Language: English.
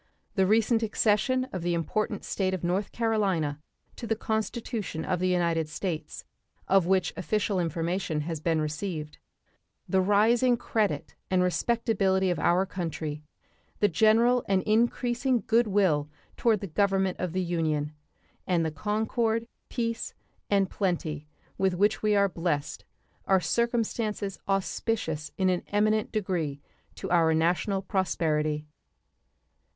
The recent accession of the important state of North Carolina to the Constitution of the United States (of which official information has been received), the rising credit and respectability of our country, the general and increasing good will toward the government of the Union, and the concord, peace, and plenty with which we are blessed are circumstances auspicious in an eminent degree to our national prosperity.